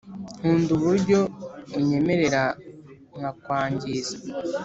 nkunda uburyo unyemerera nkakwangiza